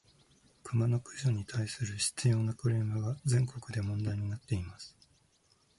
クマの駆除に対する執拗（しつよう）なクレームが、全国で問題になっています。